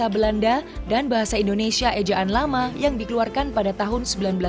bahasa belanda dan bahasa indonesia ejaan lama yang dikeluarkan pada tahun seribu sembilan ratus delapan puluh